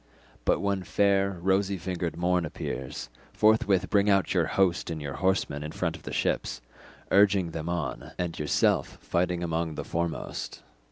But when fair rosy fingered morn appears, forthwith bring out your host and your horsemen in front of the ships, urging them on, and yourself fighting among the foremost."